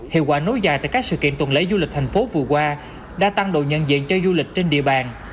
hiệu quả nối dài tại các sự kiện tuần lễ du lịch thành phố vừa qua đã tăng độ nhận diện cho du lịch trên địa bàn